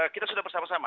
kita sudah bersama sama